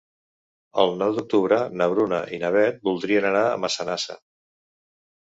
El nou d'octubre na Bruna i na Beth voldrien anar a Massanassa.